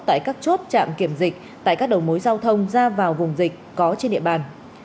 tại các chốt trạm kiểm dịch tại các đầu mối giao thông ra vào vùng dịch có trên địa bàn